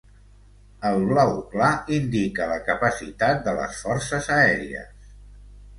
El blau clar indica la capacitat de les Forces Aèries.